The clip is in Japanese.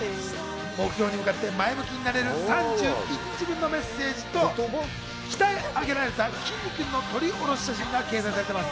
目標に向かって前向きなれる３１日分のメッセージと、鍛え上げられた、きんに君の撮り下ろし写真が掲載されております。